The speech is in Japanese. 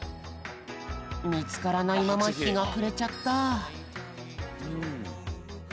みつからないままひがくれちゃった。